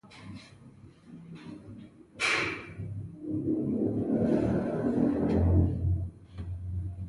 اوس به پوهېدلي ياست.